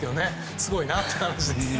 すごいなという感じです。